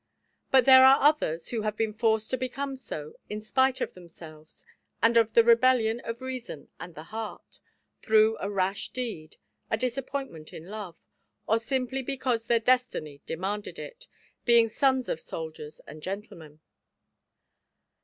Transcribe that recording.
But there are others who have been forced to become so, in spite of themselves and of the rebellion of reason and the heart, through a rash deed, a disappointment in love, or simply because their destiny demanded it, being sons of soldiers and gentlemen.